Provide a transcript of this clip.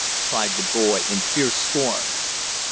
cried the boy in fierce scorn.